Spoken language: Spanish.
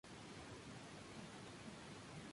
Fue impreso por la Real Imprenta de Niños Expósitos.